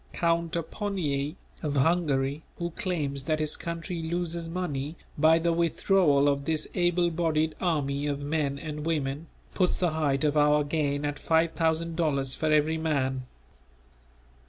Count Aponyi, of Hungary, who claims that his country loses money by the withdrawal of this able bodied army of men and women, puts the height of our gain at five thousand dollars for every man.